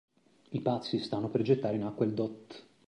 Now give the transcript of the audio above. I pazzi stanno per gettare in acqua il dott.